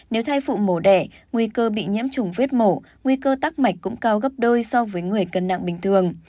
nếu thai phụ mổ đẻ nguy cơ bị nhiễm trùng vết mổ nguy cơ tắc mạch cũng cao gấp đôi so với người cân nặng bình thường